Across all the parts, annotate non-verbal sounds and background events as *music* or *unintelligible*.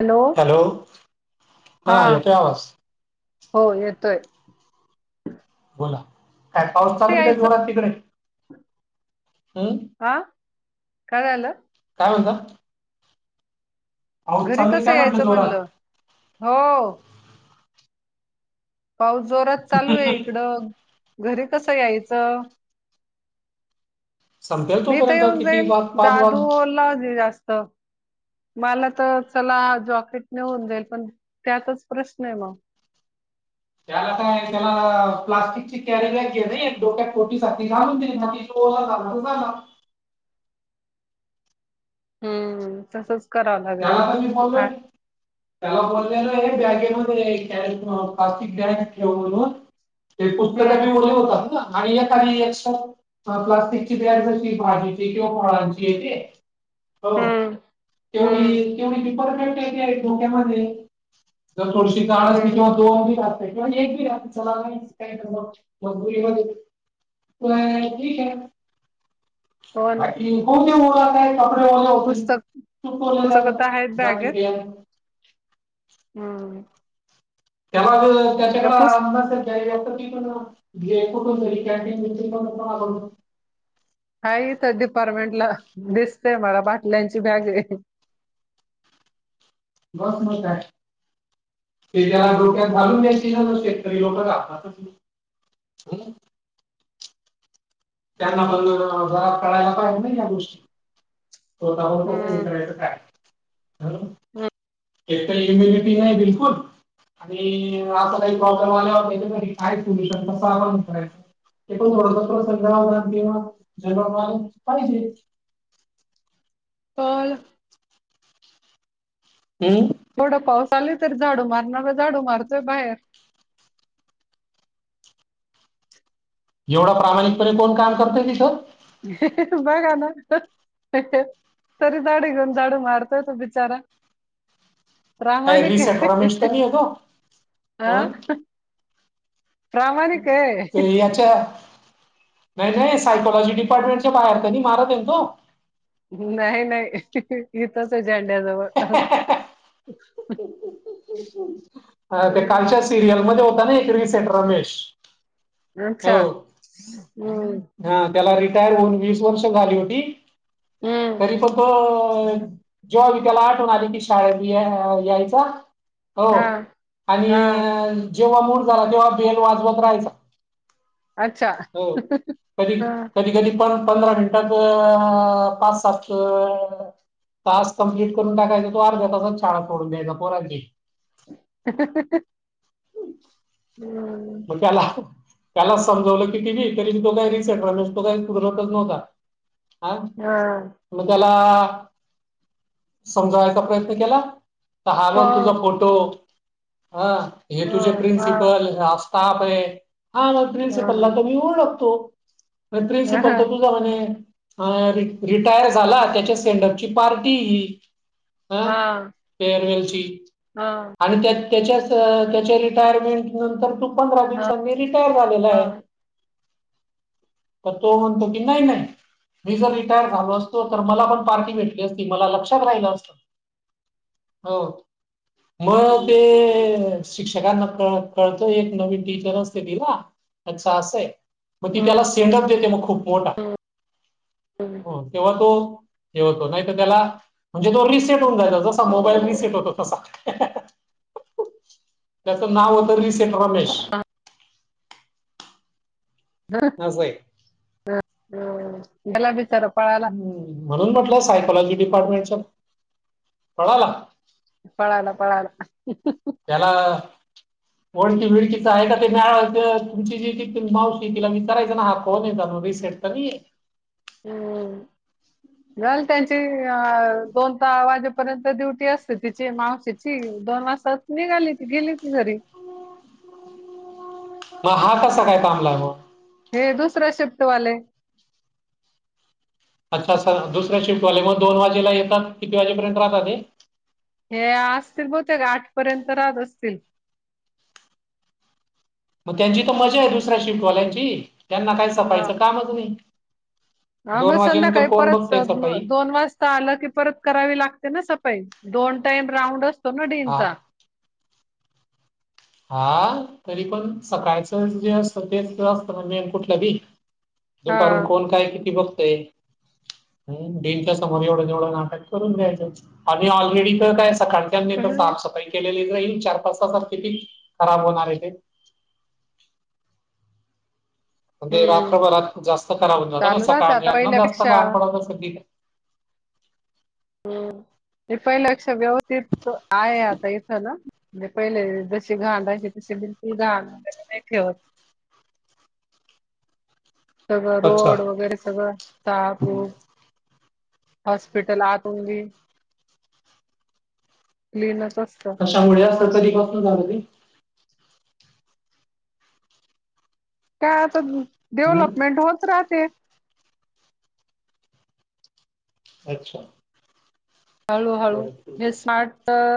Hello हा येतोय आवाज हो येतोय. बोला काय पाऊस चालू हाय का यायचं जोरात तिकडे. हम्म. हा काय झालं? काय म्हणता? पाऊस घरी चालू आहे कसं काय म्हटलं यायचं जोरात म्हणलं? हो. पाऊस जोरात चालू आहे इकडं. घरी कसं यायचं? संपेल मी तर तोपर्यंत येऊन किती जाईल वाज पाच दादू वाज ओला जास्त मला तर चला जॉकेट मिळून जाईल पण त्याचाच प्रश्न आहे मग त्याला काय त्याला प्लास्टिकची कॅरी बॅग घे नाय डोक्या टोपी सारखी घालून दे मग ती. *unintelligible* हम्म तसच करावं लागेल मग त्याला तर मी हा बोललोय. त्याला बोललेलो आहे बॅगेमध्ये एक कॅ अह प्लास्टिक बॅग ठेव म्हणून. त्याची पुस्तकं हम्म बी ओली होतात ना आणि एखादी एक्स्ट्रा अह प्लास्टिकची बॅग कशी भाजीची किंवा फळांची येते हो. हम्म हम्म तेवढी केवढी रिपर्फेक्ट येते डोक्यामध्ये जर थोडीशी जाण असती हम्म किंवा दोन ला *unintelligible* पण ठीक आहे. हो ना बाकी *unintelligible* कपडे ओले होतील. पुस्तक पुस्तकं तर आहेत बॅगेत *unintelligible* हम्म. त्या *unintelligible* पुस्तक त्याच्याकडे *unintelligible* *unintelligible* हाय इथे डिपार्टमेंटला दिसतय मला बाटल्यांची बॅग आहे. हो मग काय. ते ज्याला डोक्यात घालून द्यायची ना तरी लोक घालतात ना, है ना. *unintelligible* कळायला पाहिजे ना या गोष्टी. *unintelligible* हम्म. करायचं काय, झालं. एकतर इम्युनिटी नाही बिलकुल आणि आता काही प्रॉब्लेम आल्यावर त्याच्यासाठी काय सोल्युशन *unintelligible* *unintelligible* पण हम्म. थोडं पाऊस आली तर झाडू मारणार झाडू मारतोय बाहेर. एवढा प्रामाणिकपणे कोण काम करतय तिथं बघा न. तरी दाडी घेऊन झाडू मारतय तो बिचारा. काय प्रामाणिक रिसेट आहे. रमेश तर नाही आहे तो हा. प्रामाणिक आहे ते याच्या नाही नाही सायकॉोलॉजी डिपार्टमेंटच्या बाहेर नाही मारत आहे तो. नाही नाही इथंच आहे झंड्याजवळ. ते कालच्या सिरियल मध्ये होता ना एक रिसेट रमेश अच्छा हो हम्म. हा त्याला रिटायर होऊन वर्ष झाली होती. हम्म. तरी पण तो जेव्हा बी त्याला आठवण आली की शाळतनं यायचा हो हा हा आणि जेव्हा मूड झाला तेव्हा बेल वाजवत राहायचा. अच्छा हो कधी हा. कधी प पंधरा मिनटं टात पाच सात तास कम्प्लीट करून टाकायचा तो अर्ध्या तासात शाळा सोडून द्यायचा पोरांची. *inaudible* हम्म. मग त्याला त्याला समजवलं कीती बी तरी म तो काही रिसेटल म्हणजे तो काही सुधरतच नव्हता. हा? हा. म त्याला समजावायचा प्रयत्न केला तर हा हो तुझा फोट ह हे हो तुझे हा. प्रिन्सिपल हा स्टाफ हे. हा मगं हा प्रिन्सिपलला तर मी ओळखतो हा प्रिन्सिपल तर त म्हने रिटायर झाला त्याच्या सेंडपची पार्टी आहे ही. हा फेअरवेलची. हा. आणि त्या त्याच्या त्याच्या रिटायरमेंट नंतर तू पंधरा हा. दिवसांनी रिटायर झालेला आहे. *inaudible* तो म्हणतो की नाही नाही मी जर रिटायर झालो असतो तर मला पण पार्टी भेटली असती मला लक्षात राहिलं असतं. हो मग ते शिक्षकांना क कळतं नवीन टीचर असते तीला ह्यांचं अस आहे मग ती त्याला सेंडप देते मग खूप मोठा हो तेव्हा तो हे होतो नाही तर त्याला म्हणजे तो रिसेट होऊन जायचा जसा मोबाईल रिसेट होतो तसा. त्याचं नाव होतं रिसेट रमेश. *unintelligible* असं हे. हा हा गेला बीचारा पळा ह् म्हणून म्हटलंय सायकोलॉजी डिपार्टमेंटच्या पळाला पळाला पळाला. त्याला ओळखी बिळकीचं आहे का ते मला वाटतं तुमची जी मावशी तिला विचारायचं ना हा फोन आहे रिसेंट कवी हम. झालं त्यांची दोन वाजेपर्यंत ड्युटी असते तिची मावशीची दोन वाजता नीगाली ती गेली ती घरी. मग हा कसा काय थांबला मगं? हे दुसरं शिफ्टवाले. अच्छा सर दुसऱ्या शिफ्टवाले मग दोन वाजेला येतात किती वाजेपर्यंत राहतातं हे? हे असतील बहुतेक आठपर्यंत राहत असतील. मग त्यांची तर मजा आहे दुसऱ्या शिफ्टवाल्यांची त्यांना काही हा सफाईचं कामच नाही. हा मग दोन वाजेनंतर संध्याकाळी कोण परत बघते सफाई दोन वाज आलं की परत करावी लागते ना सफई दोन टाईम राऊंड असतो ना हा डींचा. हा तरी पण सकाळचं जे असत तेच असत ना मेन कुठलं बी. *inaudible* दुकानून कोण काय किती बघतय. ह डेनच्या समोर एवढं तेवढं नाटक करून घ्यायचं आणि ऑलरेडी तर काय सकाळ त्यांनी तर साफ-सफाई केलेली जाईल चार, पाच तासात किती खराब होणार आहे ते. म्हणजे हम्म रात्रभरात जास्त करावं *unintelligible* ना चालू राहते सकाळ अन् आता ह्यांना जास्त पहिल्यापेक्षा काम पडव सधी हम्म ते पहिल्यापेक्षा व्यवस्थित आहे आता इथं ना. म्हणजे पहिले जसे घाण राहायचे तशी बिलकुल घाण नाही ठेवत. सगळं अच्छा. रोड वगैरे सगळं *unintelligible* हॉस्पिटल आ *unintelligible* क्लीनच असतं. कश्यामुळे असं कधीपासन झालं ते. काय आता हम्म. डेव्हलपमेंट होत राहते. अच्छा हळूहळू बरं ठीक म्हे आहे. स्मार्ट तर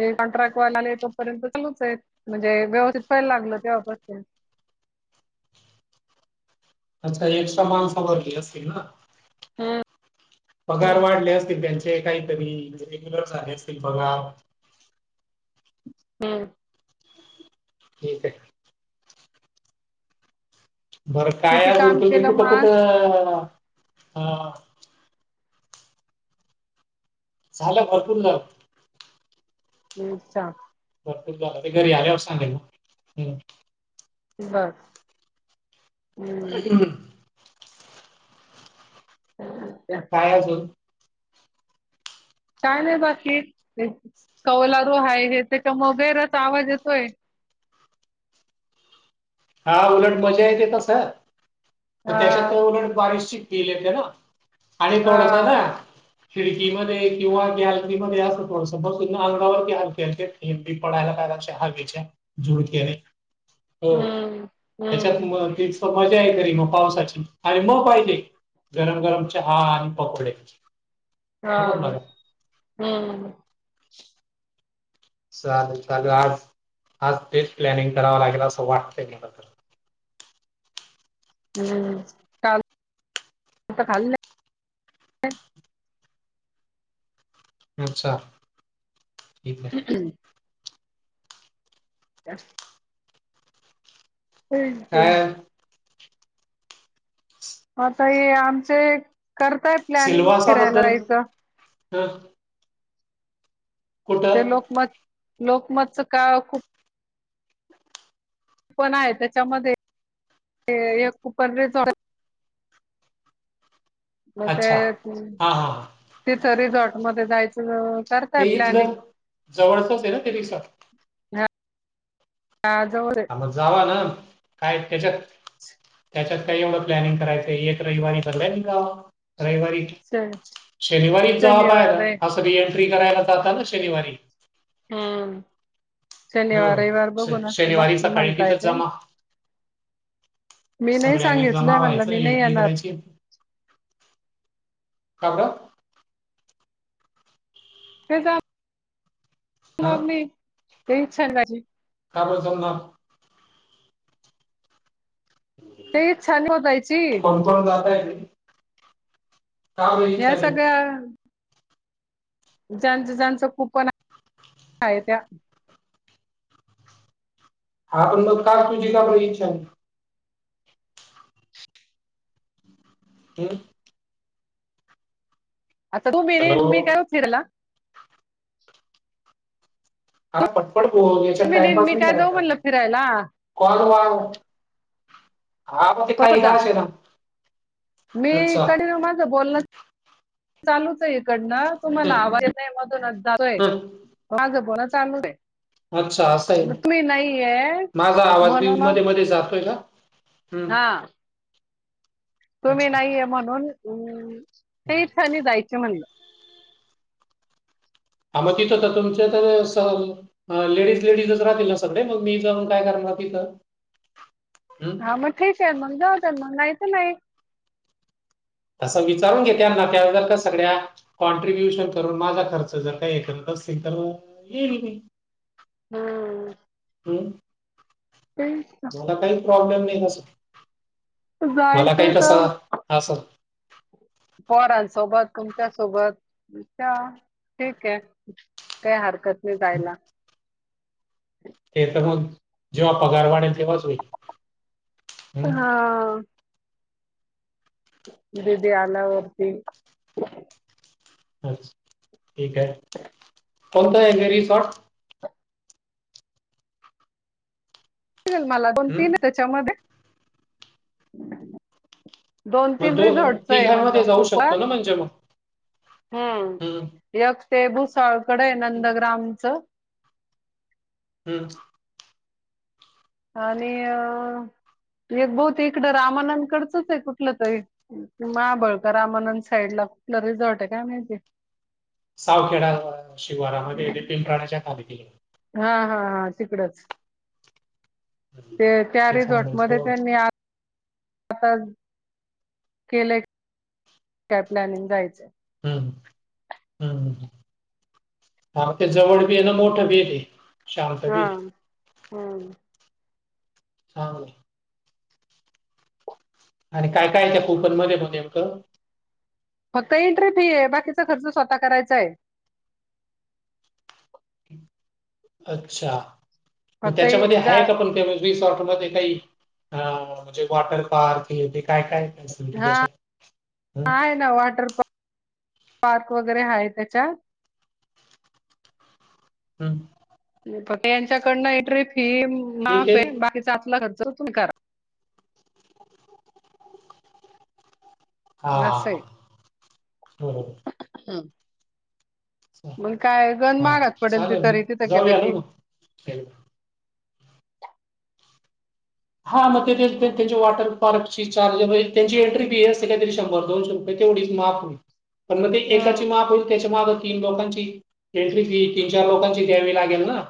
हे कॉन्ट्रॅक्ट वाले आले तोपर्यंत चालूच आहे म्हणजे व्यवस्थित व्हायला लागलं तेव्हापासून. अच्छा एक्स्ट्रा मानस वरली असतील ना. हम्म पगार वाढले असतील त्यांचे. ते काहीतरी रेग्युलर झाले असतील पगार. हम् ठीक आहे. बरं काय किती अजून काम तुम्ही केलं मग कुठं आज कुठं ह झालं भरपूर झालं अच्छा भरपूर झालं मी घरी आल्यावर सांगेल हम्म बर हम्म *unintelligible* काय अजून? काय नाही बाकी कौलारो आहे हे तेच्यामुळे *unintelligible* आवाज येतोय. हा उलट मजा येतेे तस म हा त्याच्याउलट बारीशची फील येते ना. आणि थोडस हा ना खिडकीमध्ये किंवा गॅलकरी मध्ये असो *unintelligible* अंगावर *unintelligible* *unintelligible* हम्म त्याच्यात हम्म म त मजा आहे खरी मग पावसाची आणि मग पाहिजे गरम गरम चहा आणि पकोडे. हा समजलं का? हम्म चालू चालू आज आज तेच प्लॅनिंग करावं लागेल असं वाटतंय मला तर. हम्म चाल आता *unintelligible* अच्छा ठीक आहे. त्या *unintelligible* काय आता हे आमचे करताय प्लॅनिंग फिरायला सिल्वासाबद्दल जायचं. *unintelligible* ते कुठं लोकमत, लोकमतच का कुप कूपन आहे. त्याच्यामध्ये हे एक कुपन रे म ते अच्छा कु, हा हा हा. तिच रिझॉर्ट मध्ये जायचं करताय ते प्लॅनिंग इथलं, जवळचच ये ना ते रिसॉर्ट. हा, हा जवळ ये. म जावा ना, काय त्याच्यात त्याच्यात काय एवढं प्लॅनिंग करायचंय. एक रयवारी भरलायन जा रयवारी शनिवारीच जावा बाहेर, शनिवार आहे. अस बी एंट्री करायला जाता ना शनिवारी. हं हो. शनिवार, रयवार श- बघून बघ शनिवारी सकाळी म्हणताय तिथं ते जमा. मी नाय सगळ्यांनी जमा सांगितलंय, म्हणल व्हायचं मी नाय एंट्री येणार. करायची. का ग ते जा हा *inaudible* *unintelligible* झाली. का बरं जमणार ते एक छान होतायची कोण कोण जाताय तुम्ही या नाही? सगळ्या ज्यांच ज्यांचं कूपन हाये त्या हा पण मग का तुझी का बरं इच्छा नाय. हूं अच्छा तू मी, मी काय हॅलो. हो फिरला खरा पटपट बोल तुम्ही बिन मी काय जाऊ म्हनलं फिरायला का ग *unintelligible* हा म ते पटपट काई जा असे ना मी अच्छा. इकडे माझं बोलण, चालूच ये इकडनं तुम्हाला हं. आवाज येत नाय. मधूनच जातोय, हं. माझं बोल चालू ये. अच्छा असं आहे. म तुम्ही नाहीये माझा आवाज बी म्हणून मध्ये मध्ये जातोय का? हम्म हा तुम्ही अच्छा. नाहीये म्हणून अं *unintelligible* इच्छा नाय जायची म्हणलं हा म तिथं तर तुमचे तर सह अ लेडीज लेडीजच राहतील ना सगळे मग, मी जाऊन काय करणार तिथं हं हा म ठीक हाय मंग जाऊदया मंग नाय त नाय तसं विचारून घे त्यांना त्या *unintelligible* का सगळ्या काँट्रीब्युशन करून माझा खर्च जर काय हे करत असतील तर येईल मी हम्म *unintelligible* पण मला काही प्रॉब्लेम नाही असं, मला जायचं काही तसा तर असं पोरांसोबत, तुमच्या सोबत म च्या ठीक ये. काय हरकत नाय जायला. ते तर मग जेव्हा पगार वाढल तेेव्हा *inaudible* हाआ जे ते आलं पीक अचछ ठीक आहे, कोन्तय *unintelligible* रिसॉर्ट? मला दोन हं तीन त्याच्यामधे दोन मग तीन दोन रीझोर्डचंय तिघांमध्ये म्हणलं जाऊ शकतो कूपन. ना म्हणजे मग? हम्म. यक ते भूसावळकडंए नंदग्रामचं हम् आनि अ एक बऊते इकडं रामानंनकडचंचए कुठलं तरी. माबळकर रामानंद साईडला. कुठलं रिझर्टय काय माइती? सावखेडा शिवारामध्ये *unintelligible* हा हा हा तिकडंच हम्म. ते त्या ते रिझॉर्ट चांगलं मधे सोड. त्यांनी आत आता केलंय. काय प्लॅनिंग जायचंय. हम हम् औटे *unintelligible* बी शांत हा. बी आहे. हम् *inaudible* आणि काय काय त्या कूपनमधे मग नेमकं? फक्त एंट्री फीहे. बाकीचा खर्च स्वतः करायचाय. अच्छा, मग फक्त इ- त्याच्यामधे हाय जा- का पण तेब *unintelligible* सॉट मधे कााई आ मन्जे वॉटन पार्क हे ते काय कायए? हा आहे ना वॉटर प् पार्क वगरे है त्याच्यात ह फकं यांच्याकडनं एट्री फी ठीक आहे. माफे बाकीचा खर्च तुमी करा. हा, अस्सए हा, हा. बरोबर. अअअअं म गण हा, महागात पडेल ती चालेल, तरी तिथं गेलं जाऊया न की म हा मग ते त्यांचे वॉटर पार्कची चार्ज *unintelligible* त्याची एंट्री बीए *unintelligible* शंभर. दोनशे तेवढीच माफ होईल. पण ते जे काची हम्म माप होईल त्याच्या मागं ती लोकांची, एंट्री फी तीन चार लोकांची द्यावी लागेल ना?